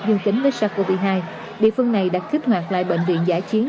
dưu kính với sars cov hai địa phương này đã kích hoạt lại bệnh viện giải chiến